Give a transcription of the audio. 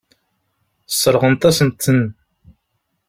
Sseṛɣent-asent-ten.